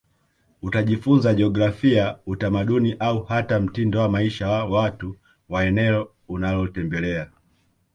Utajifunza jiografia utamaduni au hata mtindo wa maisha wa watu wa eneo unalotembelea